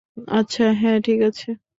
আচ্ছা, হ্যাঁ, ঠিক আছে।